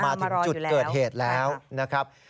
มันเกิดเหตุเป็นเหตุที่บ้านกลัว